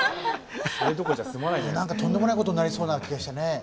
とんでもないことになりそうな気がしてね。